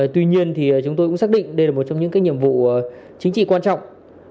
tuy nhiên chúng tôi cũng xác định đây là một trong những nhiệm vụ chính trị quan trọng